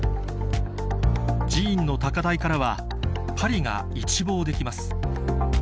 寺院の高台からはパリが一望できます